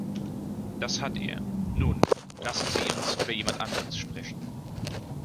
Das hat er – nun, lassen Sie uns über jemand anderes sprechen.